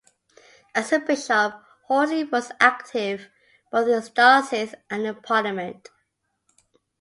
As a bishop, Horsley was active both in his diocese, and in parliament.